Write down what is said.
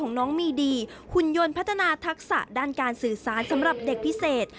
น้องมีดีหุ่นยนต์พัฒนาทักษะด้านการสื่อสารสำหรับเด็กพิเศษ